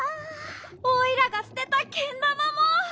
おいらがすてたけんだまも！